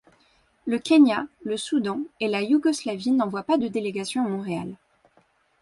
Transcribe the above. Le Kenya, le Soudan et la Yougoslavie n'envoient pas de délégation à Montréal.